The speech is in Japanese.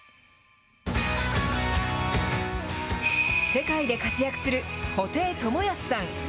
世界で活躍する布袋寅泰さん。